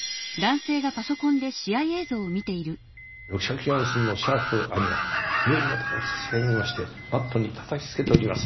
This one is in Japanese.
六尺四寸のシャープ兄を胸よりも高く差し上げましてマットにたたきつけております。